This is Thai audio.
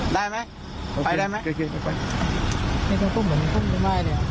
ได้ไหมไปได้ไหม